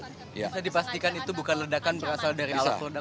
bisa dipastikan itu bukan ledakan berasal dari alat produk